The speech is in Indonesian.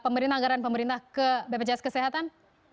pemerintah anggaran pemerintah ke bpjs kesehatan